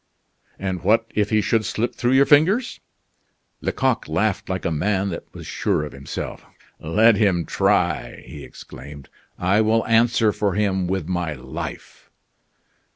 "And what if he should slip through your fingers?" Lecoq laughed like a man that was sure of himself. "Let him try," he exclaimed; "I will answer for him with my life."